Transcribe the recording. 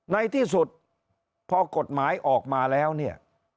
ในที่สุดพอกฎหมายออกมาแล้วเนี่ย